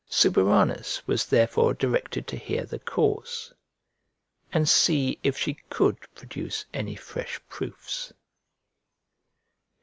Suburanus was therefore directed to hear the cause, and see if she could produce any fresh proofs.